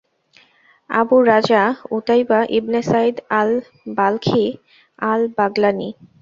Abu Raja Utaiba ibn Said al-Balkhi আল-বাগলানি